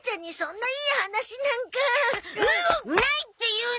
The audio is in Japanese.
ないっていうの？